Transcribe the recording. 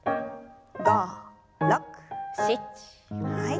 ５６７はい。